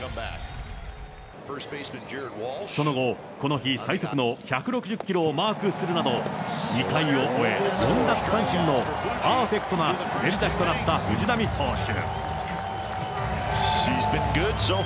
その後、この日最速の１６０キロをマークするなど、２回を終え、４奪三振のパーフェクトな滑り出しとなった藤浪投手。